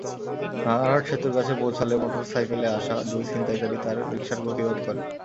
ভাঙ্গারহাট সেতুর কাছে পৌঁছালে মোটরসাইকেলে আসা দুই ছিনতাইকারী তাঁর রিকশার গতিরোধ করে।